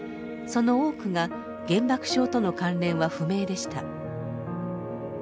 その多くが原爆症との関連は不明でした。